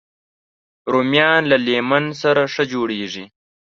رومیان له لیمن سره ښه جوړېږي